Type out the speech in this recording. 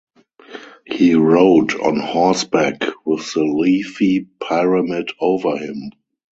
He rode on horseback with the leafy pyramid over him.